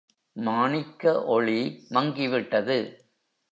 மாணிக்க ஒளி மங்கிவிட்டது.